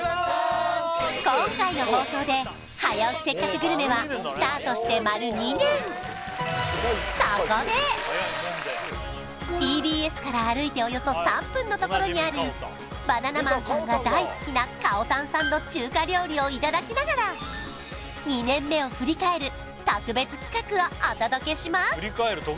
今回の放送で「早起きせっかくグルメ！！」はスタートして丸２年ＴＢＳから歩いておよそ３分のところにあるバナナマンさんが大好きなかおたんさんの中華料理をいただきながら２年目を振り返る特別企画をお届けします